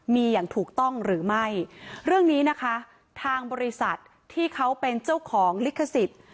มีอย่างถูกต้องหรือไม่เรื่องนี้นะคะทางบริษัทที่เขาเป็นเจ้าของลิขสิทธิ์